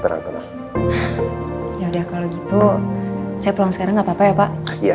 saya pulang sekarang gak apa apa ya pak